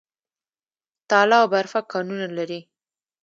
تاله او برفک کانونه لري؟